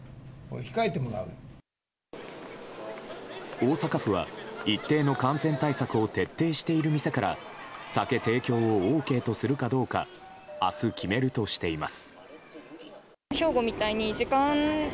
大阪府は、一定の感染対策を徹底している店から酒提供をＯＫとするかどうか明日、決めるとしています。